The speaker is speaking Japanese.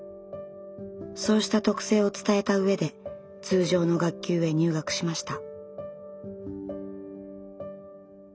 そうした特性を伝えた上で通常の学級へ入学しました。